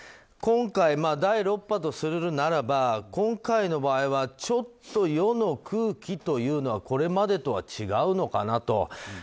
今回、第６波とするならば今回の場合はちょっと世の空気というのはこれまでとは違うのかなと。